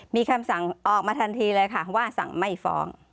มีคำสั่งออกมาทันทีเลยค่ะว่าสั่งไม่ฟ้อง